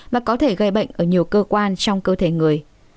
mà có thể gây bệnh ở nhiều cơ quan trong cơ thể người